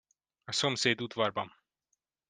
A szomszéd udvarban!